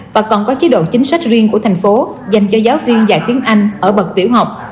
mà còn có chế độ chính sách riêng của thành phố dành cho giáo viên dạy tiếng anh ở bậc tiểu học